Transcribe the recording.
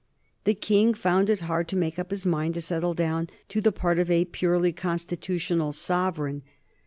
The King found it hard to make up his mind to settle down to the part of a purely constitutional sovereign.